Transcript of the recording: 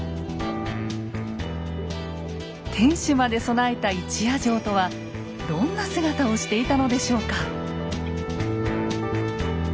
天守まで備えた一夜城とはどんな姿をしていたのでしょうか。